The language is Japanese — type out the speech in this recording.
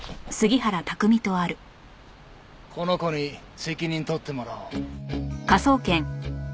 この子に責任取ってもらおう。